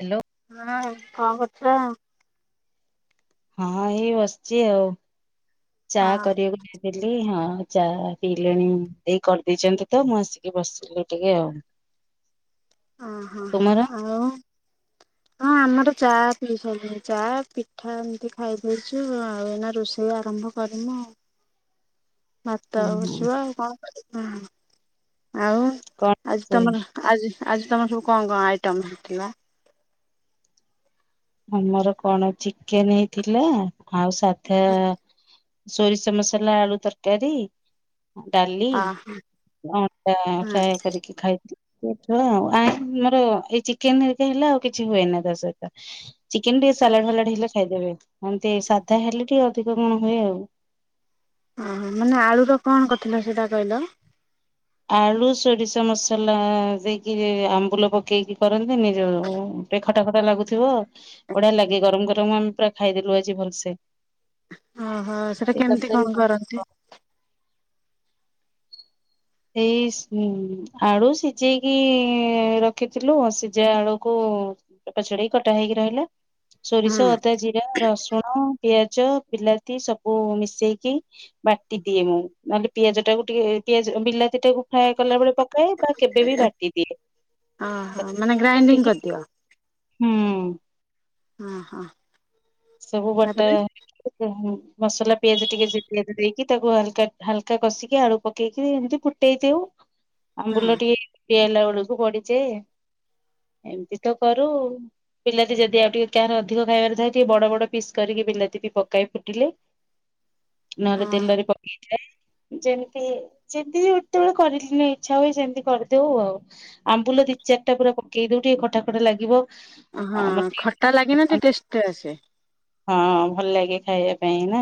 Hello. ହଁ କଣ କରୁଚ? ହଁ ଏଇ ବସଚି ଆଉ ଚା ହଁ କରିବାକୁ ଯା ହେଲି ହଁ ଚା ପିଇଲେଣି ଏଇ କରିଦେଇଚନ୍ତି ତ ମୁଁ ଆସିକି ବସିଲି ଟିକେ ଆଉ। ଅଁ ହଁ ତୁମର ଆଉ ହଁ ଆମର ଚା ପିଇ ସାଇଲୁଣି ଚା ପିଠା ଏମତି ଖାଇଦେଇଚୁ ଆଉ ଏଇନା ରୋଷେଇ ଆରମ୍ଭ କରିନୁ ଆଉ ଭାତ ହୁଁ ଆଉ ହୁଁ ବସିବ ଆଉ କଣ କରିବା ଆଉ କଣ ଆଜି ସେ ତମର ଆଜି ଆଜି ତମର ସବୁ କଣ କଣ ଆଇଟମ୍ ହେଇଥିଲା? ଆମର କଣ ଚିକେନ ହେଇଥିଲା ଆଉ ସାଧା ସୋରିଷ ମସଲା ଆଳୁ ତରକାରୀ ଡାଲି ହଁ ଅଟା ହଁ ଫ୍ରାଏ କରିକି ଖାଇଥିଲ ହୋଉଥୂଲା ଆଉ ଆ ଆମର ଏଇ ଚିକେନ ହେରିକା ହେଲେ ଆଉ କିଛି ହୁଏନି ତା ସହିତ। ଚିକେନ ଟିକେ ସାଲାଡ ଫାଲାଡ ହେଲେ ଖାଇଦେବେ ଏମତି ସାଧା ହେଲେ ଟିକେ ଅଧିକ କଣ ହୁଏ ଆଉ। ଅହଁ ମାନେ ଆଳୁର କଣ କରିଥିଲ ସେଟା କହିଲ। ଆଳୁ ସୋରିଷ ମସଲା ଦେଇକି ଆମ୍ବୁଲ ପକେଇକି କରନ୍ତିନି ଯୋଉ ଉ ଟିକେ ଖଟା ଖଟା ଲାଗୁଥିବ ବଢିଆ ଲାଗେ ଗରମ ଗରମ ଆମେ ପୁରା ଖାଇଦେଲୁ ଆଜି ଭଲସେ। ଅହଁ ସେଟା ଏ କେମତି ତରକାରୀ କଣ କରନ୍ତି? ଏଇସ୍ ଉଁ ଆଳୁ ସିଜେଇକି ରଖିଥିଲୁ ସିଝା ଆଳୁକୁ ଚୋପା ଛଡେଇ କଟା ହେଇକି ରହିଲା ହଁ ସୋରିଷ, ଅଦା, ଜିରା, ରସୁଣ ପିଆଜ ବିଲାତି ସବୁ ମିଶେଇକି ବାଟି ଦିଏ ମୁଁ ନହେଲେ ପିଆଜଟାକୁ ଟିକେ ପିଆ ବିଲାତିଟାକୁ ଫ୍ରାଏ କଲା ବେଳେ ପକାଏ ବା କେବେ ବି ବାଟିଦିଏ। ଅହଁ ମାନେ ଗ୍ରାଇଣ୍ଡିଙ୍ଗ କରିଦିଅ? ହୁଁ। ଅହଁ। ସବୁ ବଟା ହେଇକି ମସଲା ପିଆଜ ଟିକେ ସେ ପିଆଜ ଦେଇକି ତାକୁ ଅଲଗା ହାଲକା କଷିକି ଆଳୁ ପକେଇକି ଏମିତି ଫୁ ଦେଇ ଦେଉ। ହଁ ଆମ୍ବୁଲ ଟିକେ ଇଏ ହେଲାବେଳକୁ ପଡିଚି। ଏମତି ତ କରୁ ବିଲାତି ଯଦି ଆଉ ଟିକେ କାହାର ଅଧିକ ଖାଇବାର ଥାଏ ଟିକେ ବଡ ବଡ ପିସ୍ କରିକି ବିଲାତି ବି ପକାଏ ଫୁଟିଲେ ନହେଲେ ତେଲରେ ପକେଇ ଆଁ ଯେମତି ହି ଯେମିତି ହି ଯେତେବେଳେ କରିଥିଲି ଇଚ୍ଛା ହୁଏ ସେମତି କରିଦୋଉ ଆଉ। ଆମ୍ବୁଲ ଦି ଚାରିଟା ପୁରା ପକେଇ ଦୋଉ ଟିକେ ଖଟା ଖଟା ଲାଗିବ। ଅହଁ ଆମର ଖଟା ଲାଗିନେ ଟିକେ ଟେଷ୍ଟ ଆସେ। ହଁ ଭଲଲାଗେ ଖାଇବା ପାଇଁ ନା।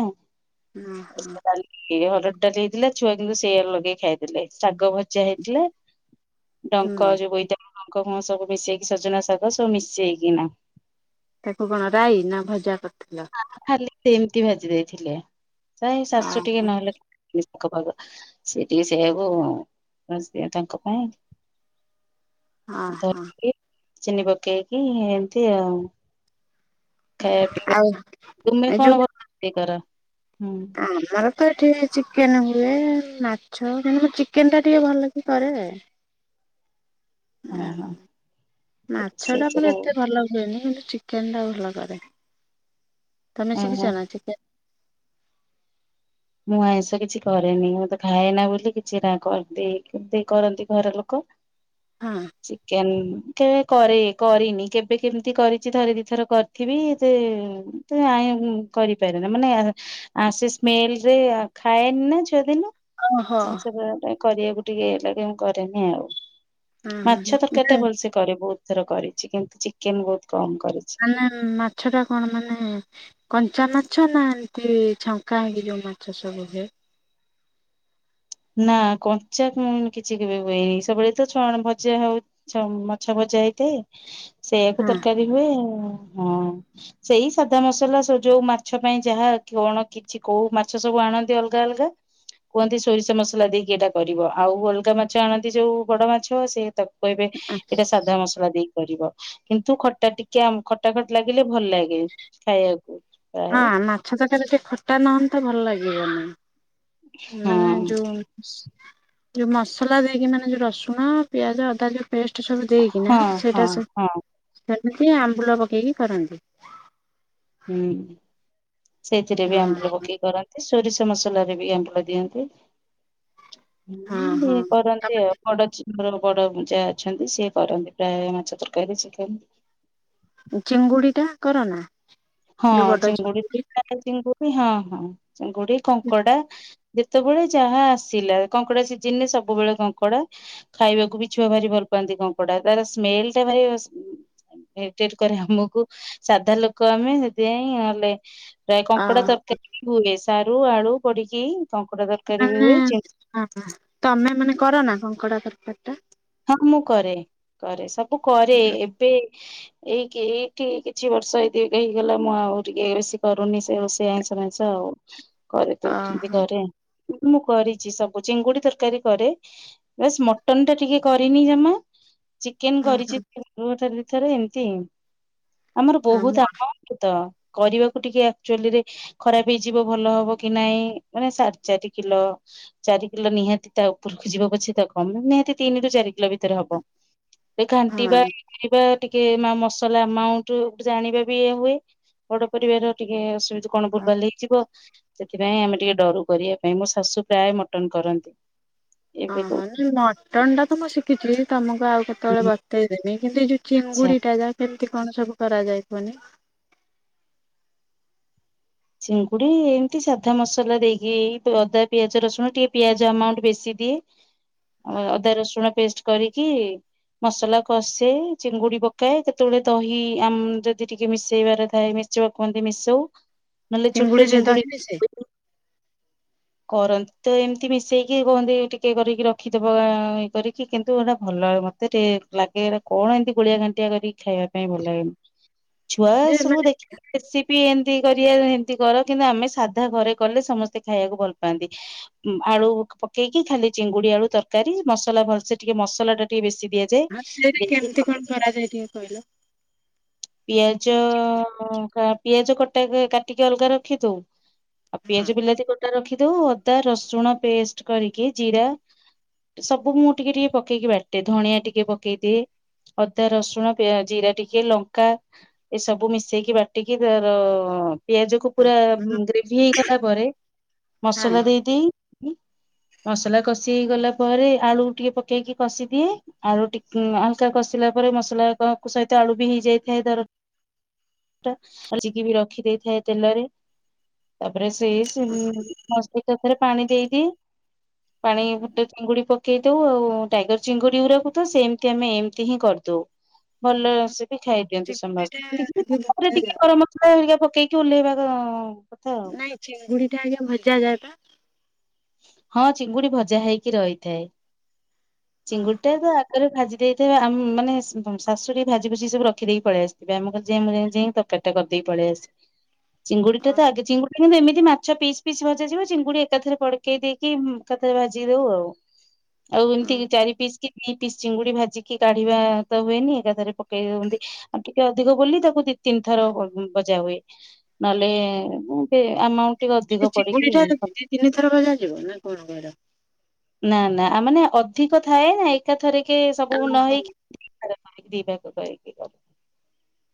ଓ ଇଏ ହରଡ଼ ଡାଲି ହେଇଥିଲା ଛୁଆ କିନ୍ତୁ ସେଇଆ ଲଗେଇ ଖାଇଦେଲେ ଶାଗ ଭଜା ହେଇଥିଲା। ହୁଁ ଡଙ୍କ ଯୋଉ ବୋଇତାଳୁ ଡଙ୍କ ଫଙ୍କ ସବୁ ମିଶେଇକି ସଜନା ଶାଗ ସବୁ ମିଶେଇକିନା। ତାକୁ କଣ ରାଇ ନା ଭଜା କରିଥିଲ। ଖାଲି ସେମତି ଭାଜି ଦେଇଥିଲେ ଏଇ ଅ ଶାଶୁ ଟିକେ ନହେଲେ ନିସ୍ ଖପର ସେ ଟିକେ ସେୟାକୁ ତାଙ୍କ ପାଇଁ ହଁ ଧରିକି ଚିନି ପକେଇକି ଏମତି ଆଉ। ଖାଇବା ପିଇବା ଆଉ ତୁମେ ଏ ଯୋଉ କଣ ଭ କର ହୁଁ? ଆମର ତ ଏଠି ଚିକେନ ହୁଏ ମା ଆଛ ମେ ମୁଁ ଚିକେନଟା ଟିକେ ଭଲକି କରେ। ହଁ ଆଉ ହଁ ମାଛ ରୋଷେଇ ଟା [unintelligible] ସବୁ ଏତେ ଭଲ ହୁଏନିୁ। ଚିକେନ୍ ଟା ଭଲ କରେ ତମେ ଓହୋ। ଶିଖିଚ ନା ଚିକେନ୍। ମୁଁ ଆଇଁଷ କିଛି କରେନି ମୁଁତେ ଖାଏନା ବୋଲି କିଛି ନା କରନ୍ତି କେମିତି କରନ୍ତି ଘର ଲୋକ। ହଁ ଚିକେନ୍। କେବେ କରେ କରିନି କେବେ କେମିତି କରିଛି ଥରେ ଦିଥର କରିଥିବି ସେ [inaudible] କରିପାରେ ନା ମାନେ ଆଶିଶ୍ ସ୍ମେଲ୍ ରେ ଖାଏନି ନା ଛୁଆ ଦିନୁ ଓହୋ ଜିନିଷା କରିବାକୁ ଟିକେ ହେଇଲା କି ମୁଁ କରେନି ଆଉ ହଁ ମାଛ ତରକାରୀ ଟା ହଁ ଭଲସେ କରେ ବହୁତ୍ ଥର କରିଛି କିନ୍ତୁ ଚିକେନ୍ ବହୁତ କମ୍ କରିଛି। ମାନେ ମାଛ ଟା କଣ ମାନେ କଞ୍ଚା ମାଛ ନା ଏମିତି ଛଙ୍କା ହେଇକି ଯେଉଁ ମାଛ ସବୁ ହୁଏ। ନା କଞ୍ଚା କିଛି କେବେ ହୁଏନି ସେବବେଳେ ତ ଛୁଆ ଭଜା ହଉ। ମାଛ ଭଜା ହେଇଥାଏ ସେଇୟକୁ ହଁ ତରକାରୀ ହୁଏ ହଁ। ସେଇ ସାଧା ମସଲା ଯୋଉ ମାଛ ପାଇଁ ଯାହା କଣ କିଛି କୋଉ ମାଛ ସବୁ ଆଣନ୍ତି ଅଲଗା-ଅଲଗା। କୁହନ୍ତି ସୋରିଷ ମସଲା ଦେଇକି ଏଇଟା କରିବ ଆଉ ଅଲଗା ମାଛ ଆଣନ୍ତି ଯୋଉ ବଡ ମାଛ ସେ ତ କହିବେ ଏଇଟା ସାଧା [unintelligible] [inaudible] ଦେଇପାରିବ କିନ୍ତୁ ଖଟା ଟିକେ ଖଟା ଖଟ ଲାଗିଲେ ଭଲ ଲାଗେ ଖାଇବାକୁ। ହଁ ପ୍ରାୟ ମାଛ ତକାର ଟିକେ ଖଟା ନହନ୍ତା ଭଲ ଲାଗିବନି ହଁ ମାନେ ଯୋଉ ଯୋଉ ମସଲା ଦେଇକି ମାନେ ଯୋଉ ରସୁଣ ପିଆଜ ଅଦା ଯୋଉ ପେଷ୍ଟ ସବୁ ଦେଇକିନା ହଁ ହଁ ସେଇଟା ସବ ହଁ ସେମିତି ଆମ୍ବୁଲ ପକେଇକି କରନ୍ତି। ହୁଁ ସେଇଥିରେ ବି ଆମ୍ବୁଲ ହଁ ପକେଇ କରନ୍ତି। ସୋରିଷ ମସଲା ରେ ବି ଆମ୍ୱୁଲ ଦିଅନ୍ତି ହଁ କରନ୍ତି ଆଉ। ବଡ ମୋର ବଡ ଯା, ଅଛନ୍ତି ସିଏ କରନ୍ତି ପ୍ରାୟ ମାଛ ତରକାରୀ ଶିଖାନ୍ତି। ଚିଙ୍ଗୁଡି ଟା କରନା। ହଁ ଯୋଉ ବଡ ଚିଙ୍ଗୁଡି ଚିଙ୍ଗୁଡି-ଚିଙ୍ଗୁଡି ହଁ-ହଁ ଚିଙ୍ଗୁଡି କଙ୍କଡା। ଯେତେବେଳେ ଯାହା ଆସିଲା କଙ୍କଡା ସିଜିନରେ ସବୁବେଳେ କଙ୍କଡା। ଖାଇବାକୁ ବି ଛୁଆ ଭାରି ଭଲ ପାଆନ୍ତି କଙ୍କଡ଼ା ତାର ସ୍ମେଲ ଟା ଭାରି। ମେଟେଟ୍ କରି ଆମକୁ ସାଧା ଲୋକ ତମେ ସେଥିପାଇଁ ହେଲେ ପ୍ରାୟ ଅ କଙ୍କଡା ତରକାରୀ ହୁଏ ସାରୁ ଆଳୁ ପଡିକି। [unintelligible] ହୁଏ ଚି [inaudible] ତମେ ମାନେ କର ନା କଙ୍କଡା ତରକାର୍ ଟା। ହଁ ମୁଁ କରେ, କରେ ସବୁ କରେ ଏବେ। ଏଇ କିି ଏଇଠି କିଛି ବର୍ଷ ଏଇ ହେଇଗଲା ମୁଁ ଆଉ ଟିକେ ବେଶୀ କରୁନି ସେ ରୋଷେଇ ଆଇଁଷ ମାଇଁଷ ଆଉ। କରିଦଉଛନ୍ତି ଓହୋ ଘରେ। ମୁଁ କରିଛି ସବୁ ଚିଙ୍ଗୁଡି ତରକାରୀ କରେ ବାସ ମଟନ୍ ଟା ଟିକେ କରିନି ଜମା ଚିକେନ୍ ହଁ କରିଛି ଥରେ ଏମତି। ଆମର ହଁ ବହୁତ ମଟନ ଆମାଉଣ୍ଟତ କରିବାକୁ ଟିକେ ଆଚୁଲିରେ ଖରାପ ହେଇଯିବ ଭଲ ହବ କି ନାଇଁ ମାନେ ସାଢେ ଚାରି କିଲୋ। ଚାରି କିଲୋ ନିହାତି ତା ଉପରକୁ ଯିବା ପଛେ ତ କମୁନି। ତିନି ରୁ ଚାରି କିଲୋ ଭିତରେ ହବ ଘାଣ୍ଟିବା [unintelligible] କରିବା। ଟିକେ ନା ମସଲା ଆମାଉଣ୍ଟ ଜାଣିବା ବି ଇଏ ହୁଏ ବଡ ପରିବାର ଟିକେ ଅସୁ କଣ ଭୁଲ୍ ଭାଲ୍ ହେଇଯିବ ସେଥିପାଇଁ ଆମେ ଟିକେ ଡରୁ କରିବା ପାଇଁ ମୋ ଶାଶୁ ପ୍ରାୟ ମଟନ୍ କରନ୍ତି। ଏବେ କୁ ଅହୋ ମଟନ୍ ଟା ତ ମୁଁ ଶିଖିଛି ତମକୁ ଆଉ ଯେତବେଳେ ବତେଇଦେବି କିନ୍ତୁ ଏ ଯୋଉ ଆଚ୍ଛା ଚିଙ୍ଗୁଡି ଟା ଯା କେମିତି କଣ ସବୁ କରାଯାଏ କୁହନି? ଚିଙ୍ଗୁଡି ଏମିତି ସାଧା ମସଲା ଦେଇକି ଏଇ ଅଦା ପିଆଜ ରସୁଣ ଟିକେ ପିଆଜ ଆମାଉଣ୍ଟ ବେଶୀ ଦିଏ। [inaudible] ଅ ଅଦା ରସୁଣ ପେଷ୍ଟ କରିକି -ମସଲା କଷେ ଚିଙ୍ଗୁଡି ପକାଏ କେତେବେଳେ ଦହି ଆମ ଯଦି ଟିକେ ମିଶେଇବାର ଥାଏ ମି- ଚ କୁହନ୍ତି ମିଶଉ। ନହେଲେ ଛୋଟ ଚିଙ୍ଗୁଡିରେ ଦହି ମିସେ? ଚିଙ୍ଗୁଡି କରନ୍ତି ତ ଏମିତି ମିଶେଇକି କୁହନ୍ତି ଟିକେ କରିକି ରଖିଦବା ଇଏ କରିକି କିନ୍ତୁ ଏଟା ଭଲ ହେବନି ମତେ ଟେ ଲାଗେ ଏଇଗୁଡାକ କଣ ଏମିତି ଗୁଳିଆ ଘାଣ୍ଟିଆ କରିକି ଖାଇବା ପାଇଁ ଭଲ ଲାଗେନି। ଛୁଆ ଯେ ସବୁ ଦେଖିକି ରେସିପି ଏମତି କରିବା ଯେମିତି କର କିନ୍ତୁ ଆମେ ସାଧା ଘରେ କଲେ ସମସ୍ତେ ଖାଇବାକୁ ଭଲ ପାଆନ୍ତି। ଆଳୁ ପକେଇକି ଖାଲି ଚିଙ୍ଗୁଡି ଆଳୁ ତରକାରୀ ମସଲା ଭଲସେ ଟିକେ ମସଲା ଟା ଟିକେ ବେଶି ଦିଆ ଆଉ ସେଇଟା କେମିତି କଣ କରାଯାଏ ଟିକେ କହିଲ? ପିଆଜ ମାନେ ହାଫ୍ ପିଆଜ କଟା କାଟିକି ଅଲଗା ରଖିଦଉ ଆଉ ପିଆଜ ବିଲାତି କଟା ରଖିଦଉ। ଅଦା ରସୁଣ ପେଷ୍ଟ କରିକି ଜିରା ସବୁ ମୁଁ ଟିକେ ଟିକେ ପକେଇକି ବାଟେ ଧଣିଆ ଟିକେ ପକେଇଦିଏ। ଅଦା, ରସୁଣ, ପିଆଜ, ଜିରା ଟିକେ ଲଙ୍କା। ଏ ସବୁ ମିଶେଇକି ବାଟିକି ତାର ପିଆଜକୁ ପୁରା ଗ୍ରେଭି ହେଇଗଲା ପରେ ହଁ ମସଲା ଦେଇ ଦେଇ [inaudible] ମସଲା କଷି ହେଇଗଲା ପରେ ଆଳୁକୁ ଟିକେ ପକେଇକି କଷିଦିଏ। ଆଳୁ ଟିକେ ହଲକା କଷିଲା ପରେ ମସଲା କ ସହିତ ଆଳୁ ବି ହେଇଯାଇଥାଏ। ଧର ଟା ଭାଜିକି ବି ରଖି ଦେଇଥାଏ ତେଲରେ ତାପରେ ସେଇସବୁ [unintelligible] ପାଣି ଦେଇ ଦେଇ ପାଣି ଗୋଟେ ଚିଙ୍ଗୁଡି ପକେ କେଇ ଦଉ ଆଉ ଟାଇଗର ଚିଙ୍ଗୁଡି ଗୁୁରାକୁୁତ ସେମିତି ଆମେ ଏମିତି ହିଁ କରିଦଉ ଭଲ ସେ ବି ଖାଇଦିଅନ୍ତି ଚିଙ୍ଗୁଡ଼ିଟା ସମସ୍ତେ ଆଗେ ଏତିକି ଟିକେ ଭଜାଯାଏ। ଗରମ ମସଲା ହେରିକା ପକେଇକି ଓଲେଇବାର ନାଇଁ ଚିଙ୍ଗୁଡି ଟା ଆଗେ ଭଜା ଯାଏନା ହଁ ଚିଙ୍ଗୁଡି ଭଜା ହେଇକି ରହିଥାଏ। [inaudible] ଚିଙ୍ଗୁଡ଼ିଟା ତ ଆଗରେ ଭାଜି ଦେଇଥେବେ ଆମ ମାନେ ଶାଶୁହେରେଙ୍କେ ଭାଜି ଭୁଜି ସବୁ ରଖିଦେଇ ପଳେଇ ଆସି ଏବେ ଆମକୁ ଜେ ନାଇ ଜେ ତରକାରି ଟା କରିଦେଇ ପଳେଇ ଆସି [inaudible] ଚିଙ୍ଗୁଡି ଟା ତ ଆଗେ ଚିଙ୍ଗୁଡି କିନ୍ତୁ ଏମିତି ମାଛ ପିସ୍ ପିସ୍ ଭଜା ଯିବ ଚିଙ୍ଗୁଡି ଏକାଥରେ ପଡି ପକେଇ ଦେଇକି ଏକାଥରେ ଭାଜି ଦଉ ଆଉ ଆଉ ଏମିତି ଚାରି ପିସ୍ କି ଦି ପି ଚିଙ୍ଗୁଡି ଭାଜିକି କାଢିବା ତ ହୁଏନି ଏକାଥରେ ପକେଇ ଦିଅନ୍ତି। ଆଉ ଟିକେ ଅଧିକ ବୋଲି ତାକୁ ଦି ତିନି ଥର ଭଜା ହୁଏ। ନହେଲେ ଏମିତି ଆମାଉଣ୍ଟ ଟିକେ ସେ ଅଧିକ ପଡିକି ଚିଙ୍ଗୁଡ଼ିଟା ଦି ତିନି ଥର ଭଜା ଯିବ ନା କଣ କହିଲ? ନା ନା ଆ ମାନେ ଅଧିକ ଥାଏନା ଏକାଥରେକେ ସବୁ ନ ଓହୋ ହେଇକି [unintelligible] ଦି ଭାଗ କରିକି କରୁ।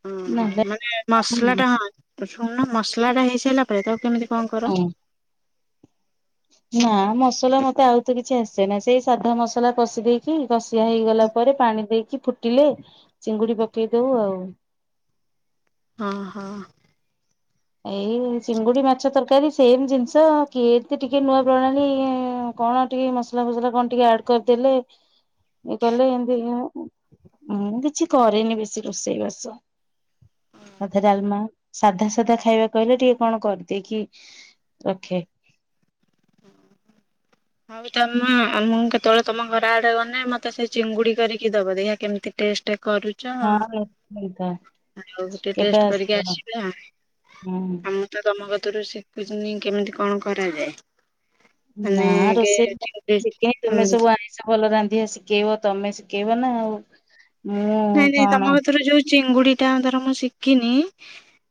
ଉଁହୁଁ ନହେଲେ ମାନେ ମସଲା ଟା ହଁ ଶୁଣୁନ ମସଲା ଟା ହେଇସାରିଲା ପରେ ତକୁ କେମିତି କଣ କର? ହୁଁ ନା ମସଲା ମତେ ଆଉ ତ କିଛି ଆସେନା ସେଇ ସାଧା ମସଲା କଷି ଦେଇକି କଷିଆ ହେଇଗଲା ପରେ ପାଣି ଦେଇକି ଫୁଟିଲେ ଚିଙ୍ଗୁଡି ପକେଇ ଦଉ ଆଉ। ହଁ ହଁ। ଏଇ ଚିଙ୍ଗୁଡି ମାଛ ତରକାରୀ ସେମ ଜିନିଷ କିଏ ଏତ ଟିକେ ନୂଆ ପ୍ରଣାଳୀ କଣ ଟିକେ ମସଲା ଫସଲା କଣ ଟିକେ ଆଡ କରିଦେଲେ ହଁ ମୁଁ କଲେ ଏମତି ମୁଁ କିଛି କରିରେନି ବେଶୀ ରୋଷେଇବାସ। ଅଧା ଡାଲମା ସାଧା ସଧା ଖାଇବାକୁ ହେଲେ ଟିକେ କଣ କରିଦିକି ରଖେ। ହଁ ହଉ ତ ମା ମୁଁ କେତେବେଳେ ତମ ଘର ଆଡେ ଗଲେ ମତେ ସେ ଚିଙ୍ଗୁଡି କରିକି ଦବ ଦେହିଆ କେମିତି ଟେଷ୍ଟ କରୁ ହଁ ନିଶ୍ଚିନ୍ତ ଆଉ ଟିଏ କେବେ ଟେଷ୍ଟ କରିକି ଆସିବ ଆସିବା। ହୁଁ ଆ ତ ତମ କତରୁ ଶିଖୁଛିିନି କେମିତି କଣ କରାଯାଏ। ମାନେ ନା ଆଗେ ଚିଙ୍ଗୁଡ଼ି ରୋଷେଇ ଶ ହୁଁ ତୁମେ ସବୁ ଆ ଭଲ ରାନ୍ଧିଆ ଶିଖେଇବ ତମେ ଶିଖେଇବ ନା ଆଉ। ମୁଁ ନାଇଁ ନାଇଁ କଣ ତମ ଗତରେ ଯୋଉ ଚିଙ୍ଗୁଡି ଟା ଧର ମୁଁ ଶିଖିନି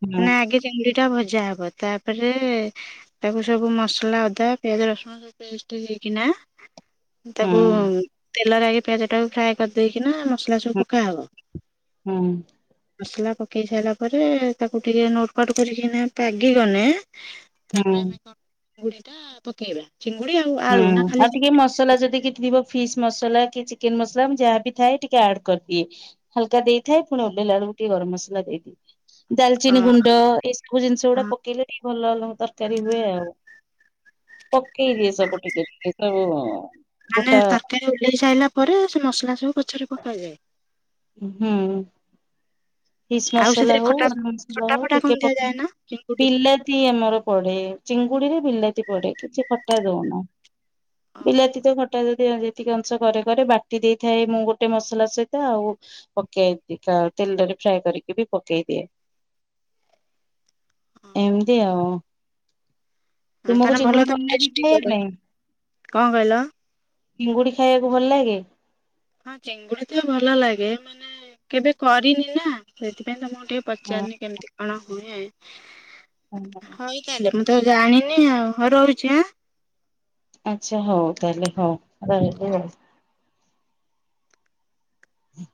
ହୁଁ ନା ଆଗେ ଚିଙ୍ଗୁଡି ଟା ଭଜା ହବ ତାପେରେ ତାକୁ ସବୁ ମସଲା ଅଦା ପିଆଜ ରସୁଣ ପେଷ୍ଟ ହେକ ନା ହୁଁ ତାକୁ ତେଲରେଗେ ପିଆଜ ଟାକୁ ଫ୍ରାଏ କରିଦେଇକିନା ମସଲା ହୁଁ କବ ହୁଁ ମସଲା ପକେଇ ସାରିଲା ପରେ ତାକୁ ଟିକେ ନୋଟ କଟ କରିକି ପାଗିଗଲେ ହୁଁ ତାପରେ ଆମେ କଣ ଚିଙ୍ଗୁଡି ଟା ପକେଇବା। ଚିଙ୍ଗୁଡି ଆଉ ହୁଁ ଆଳୁ ନା ଖାଲି ଆଉ ଟିକେ ମସଲା ଯଦି କି ଥିବ ଫିସ୍ ମସଲା କି ଚିକେନ ମସଲା ମୁଁ ଯାହାବି ଥାଏ ଟିକେ ଆଡ କରିଦିଏ। ହାଲକା ଦେଇଥାଏ ପୁଣି ଓଲିଲା ଏଳକୁ ଟିକଏ ଗରମସଲା ଦେଇଦିଏ। ଅ ଦାଲଚିନି ଗୁଣ୍ଡ ଏସବୁ ଜିନିଷ ଗୁଡା ହଁ ପକେଇଲେ ଭଲ ଲ ତରକାରୀ ହୁଏ ଆଉ। ପକେଇ ସବୁ ଟିକେ ଟେ ସବୁ ଗୋଟା ଓଲେଇ ସାଇଲା ପରେ ସେ ମସଲା ସବୁ ପଛରେ ପକାଯାଏ। ହୁଁ। ହିସ୍ ଆଉ ମସଲା ସେଥିରେ ହଉ ଖଟା ମସଲା ଖଟା ହଉ ଫଟା କଣ ଟିକେ ଦିଆଯାଏ ପକେଇ ନା ଚିଙ୍ଗୁଡି ବିଲାତି ତି ଆମର ପଡେ ଚିଙ୍ଗୁଡି ରେ ବିଲାତି ପଡେ କିଛି ଖଟା ଦଉନୁ। ହ ବିଲାତି ତ ଖଟା ଯଦି ଯେତିକି ଅଂଶ କରେ କରେ ବାଟି ଦେଇଥାଏ ମୁଁ ଗୋଟେ ମସଲା ସହିତ ଆଉ ପକେଇ ଓକେ ତେଲରେ ଫ୍ରାଏ କରିକି ବି ପକେଇ ଦିଏ। ହଁ ଏମିତି ହଁ ଆଉ ହଁ ତୁମକୁ ତାହେଲେ ଭଲ ଚିଙ୍ଗୁଡି ତମେ ବନ୍ୟ ଟେଷ୍ଟି ଦେଇଥିଲେ କର। ପାଇଁ କଣ କହିଲ ଚିଙ୍ଗୁଡି ଖାଇଆକୁ ଭଲଲାଗେ? ହଁ ଚିଙ୍ଗୁଡି ତ ଭଲଲାଗେ, ମାନେ କେବେ କରିନି ନା ସେଥିପାଇଁ ତ ମୁଁ ଟିକେ ପଚାରନି କେମିତି କଣ ହୁଏ। ହୁଁ ହଉ ତାହେଲେ ମୁଁ ତ ଜାଣିନି ଆଉ ହଉ ରହୁଛି ଆଁ। ଆଚ୍ଛା ହଉ ତାହଲେ ହଉ ରହିଲି ଆଉ। ହଁ